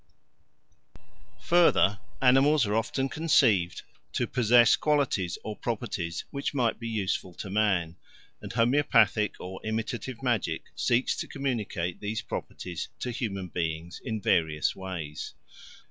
Further, animals are often conceived to possess qualities of properties which might be useful to man, and homoeopathic or imitative magic seeks to communicate these properties to human beings in various ways.